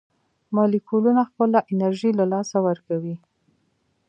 مالیکولونه خپله انرژي له لاسه ورکوي.